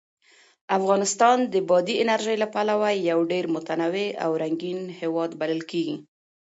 افغانستان د بادي انرژي له پلوه یو ډېر متنوع او رنګین هېواد بلل کېږي.